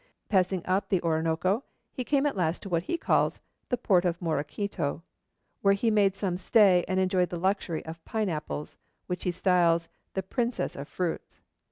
Passing up the Orinoco, he came at last to what he calls 'the port of Morequito,' where he made some stay, and enjoyed the luxury of pine apples, which he styles 'the princess of fruits.'